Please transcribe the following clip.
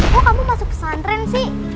oh kamu masuk pesantren sih